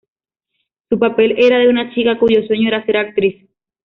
Su papel era el de una chica cuyo sueño era ser actriz.